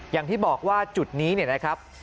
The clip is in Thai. อย่างที่บอกว่าจุดนี้เนี่ยนะครับ